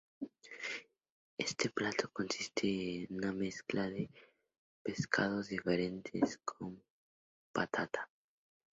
Este plato consiste en una mezcla de pescados diferentes con patata.